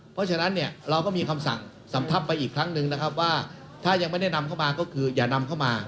เพราะฉะนั้นเนี่ยเราก็มีคำสั่งสำทับไปอีกครั้งหนึ่งนะครับว่าถ้ายังไม่ได้นำเข้ามาก็คืออย่านำเข้ามา